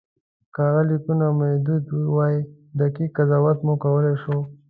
که هغه لیکونه موجود وای دقیق قضاوت مو کولای شوای.